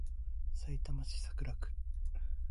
さいたま市桜区